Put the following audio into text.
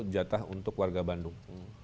jatah untuk warga bandung